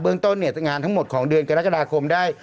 เรื่องต้นเนี่ยจะงานทั้งหมดของเดือนกรกฎาคมได้